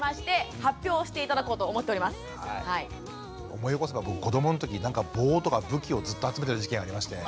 思い起こせば僕子どものときなんか棒とか武器をずっと集めてた時期がありまして。